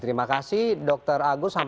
terima kasih dokter agus